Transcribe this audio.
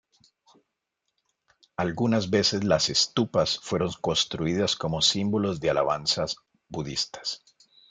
Algunas veces las estupas fueron construidas como símbolos de alabanza budistas.